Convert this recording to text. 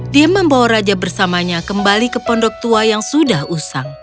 dia membawa raja bersamanya kembali ke pondok tua yang sudah usang